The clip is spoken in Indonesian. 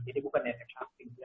jadi bukan efek sakit